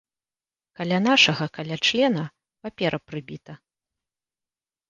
Каля нашага, каля члена, папера прыбіта.